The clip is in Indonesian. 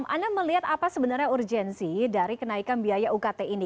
anda melihat apa sebenarnya urgensi dari kenaikan biaya ukt ini